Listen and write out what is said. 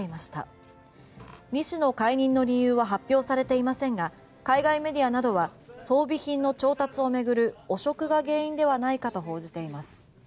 リ氏の解任の理由は発表されていませんが海外メディアなどは装備品の調達を巡る汚職が原因ではないかと報じています。